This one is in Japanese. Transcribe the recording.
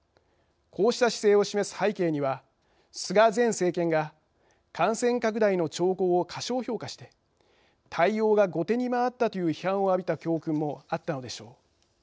こうした姿勢を示す背景には菅前政権が感染拡大の兆候を過小評価して対応が後手に回ったという批判を浴びた教訓もあったのでしょう。